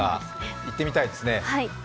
行ってみたいですね。